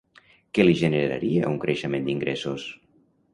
Què li generaria un creixement d'ingressos?